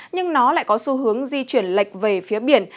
nhưng nó lại có xu hướng di chuyển lệch về phía biển